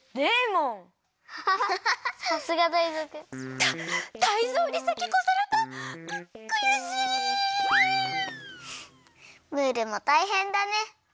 ムールもたいへんだね。